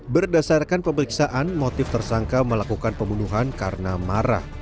berdasarkan pemeriksaan motif tersangka melakukan pembunuhan karena marah